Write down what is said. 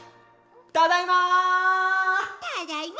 ただいま！